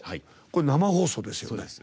生放送ですよね。